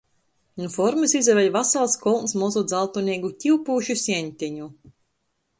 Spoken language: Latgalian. Nu formys izaveļ vasals kolns mozu dzaltoneigu kiupūšu sieņteņu.